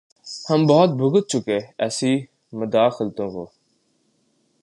ہم بہت بھگت چکے ایسی مداخلتوں کو۔